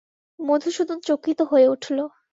মধুসূদন চকিত হয়ে উঠল।